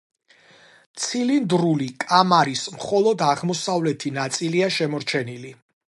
ცილინდრული კამარის მხოლოდ აღმოსავლეთი ნაწილია შემორჩენილი.